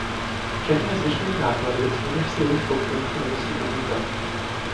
Všechny zvyšují náklady, s nimiž se jejich konkurenti nemusí potýkat.